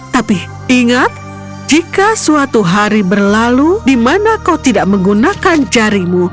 tapi ingat jika suatu hari berlalu di mana kau tidak menggunakan jarimu